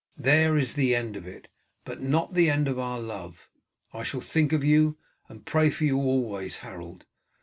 "There is the end of it, but not the end of our love. I shall think of you, and pray for you always, Harold.